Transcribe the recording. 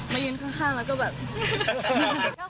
ยืนข้างแล้วก็แบบ